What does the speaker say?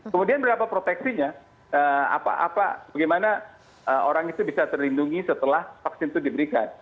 kemudian berapa proteksinya bagaimana orang itu bisa terlindungi setelah vaksin itu diberikan